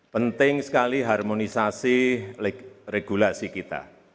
penting sekali harmonisasi regulasi kita